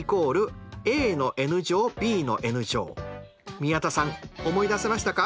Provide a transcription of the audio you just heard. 宮田さん思い出せましたか？